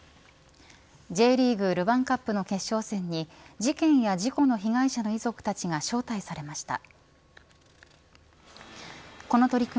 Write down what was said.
Ｊリーグルヴァンカップの決勝戦に事件や事故の被害者の遺族たちが招待されました。